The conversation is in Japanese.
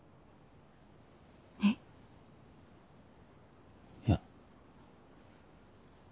えっ？いや。